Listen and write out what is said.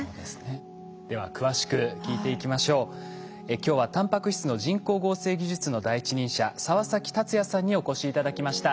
今日はタンパク質の人工合成技術の第一人者澤崎達也さんにお越し頂きました。